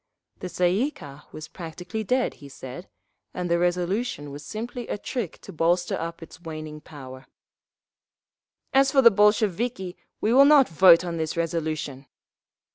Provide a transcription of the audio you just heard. The Tsay ee kah was practically dead, he said, and the resolution was simply a trick to bolster up its waning power…. "As for us, Bolsheviki, we will not vote on this resolution!"